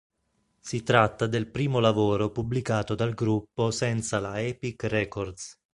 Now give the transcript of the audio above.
Si tratta del primo lavoro pubblicato dal gruppo senza la Epic Records.